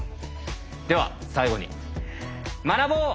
では最後に学ぼう！